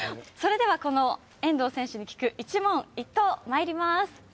それではこの遠藤選手に聞く一問一答まいります。